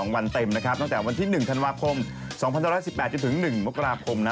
วันเต็มนะครับตั้งแต่วันที่๑ธันวาคม๒๑๑๘จนถึง๑มกราคมนะ